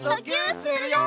するよ！